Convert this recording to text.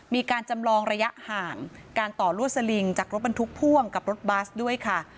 มีการจำลองระยะห่างการต่อลวดสลิงจากรถบรรทุกพ่วงกับรถบัสด้วยค่ะ